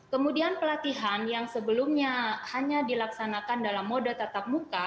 kemudian pelatihan yang sebelumnya hanya dilaksanakan dalam mode tatap muka